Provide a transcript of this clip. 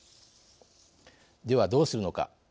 ではどうするのか。